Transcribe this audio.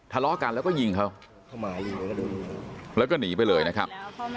ทะเลาะกันแล้วก็ยิงเขาแล้วก็หนีไปเลยนะครับ